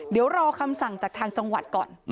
เดี๋ยวรอคำสั่งจากทางจังหวัดก่อน